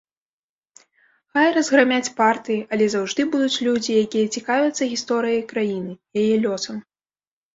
Хай разграмяць партыі, але заўжды будуць людзі, якія цікавяцца гісторыяй краіны, яе лёсам.